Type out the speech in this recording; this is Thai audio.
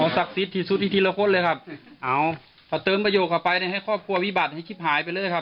จะชอบครัววิบัติให้ชิบหายไปเลยค่ะ